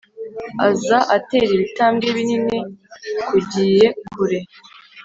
Aza atera ibitambwe binini kugiye kure